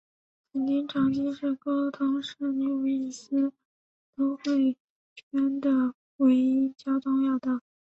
曾经长期是沟通圣路易斯都会圈的唯一的交通要道。